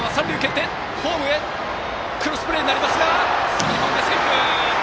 滑り込んでセーフ！